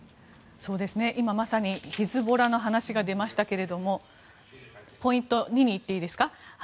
今、まさにヒズボラの話が出ましたけどポイント２にいっていいですか。